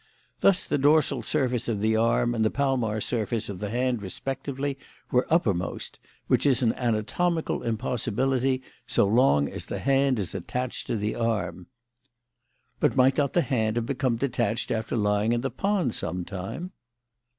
Thus the dorsal surface of the arm and the palmar surface of the hand respectively were uppermost, which is an anatomical impossibility so long as the hand is attached to the arm." "But might not the hand have become detached after lying in the pond some time?"